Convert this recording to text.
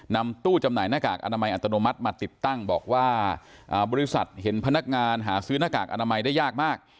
นำตู้จำหน่ายหน้ากากอนามัยอัตโนมัติมาติดตั้งบอกว่าบริษัทเห็นพนักงานหาซื้อหน้ากากอนามัยได้ยากมาก